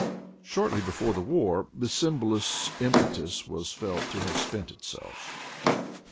Shortly before the war the symbolist impetus was felt to have spent itself.